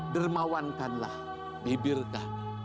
dermawankanlah bibir kami